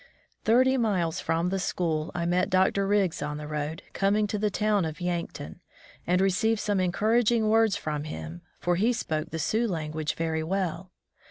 Thirty miles from the school I met Dr. Riggs on the road, coming to the town of Yankton, and received some encouraging words from him, for he spoke the Sioux language very well.